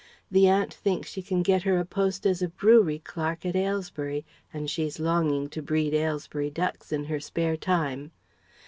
The aunt thinks she can get her a post as a brewery clerk at Aylesbury, and she is longing to breed Aylesbury ducks in her spare time.